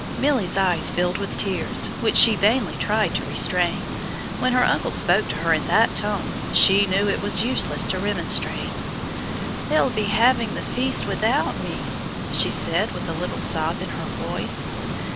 Milly's eyes filled with tears, which she vainly tried to restrain. When her uncle spoke to her in that tone she knew it was useless to remonstrate. "They'll be having the feast without me," she said, with a little sob in her voice.